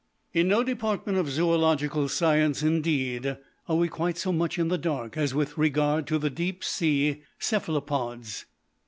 In no department of zoological science, indeed, are we quite so much in the dark as with regard to the deep sea cephalopods.